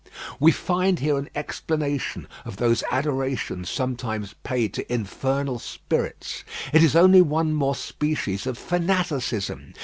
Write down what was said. We find here an explanation of those adorations sometimes paid to infernal spirits. It is only one more species of fanaticism.